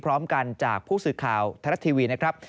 พร้อมกันจากผู้สื่อข่าวไทยรัฐทีวีนะครับ